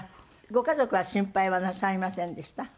ご家族は心配はなさいませんでした？